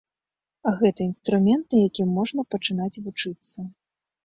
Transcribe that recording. Гэта інструмент, на якім можна пачынаць вучыцца.